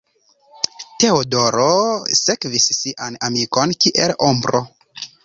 Teodoro sekvis sian amikon kiel ombro.